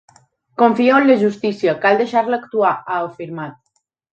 Confio en la justícia, cal deixar-la actuar, ha afirmat.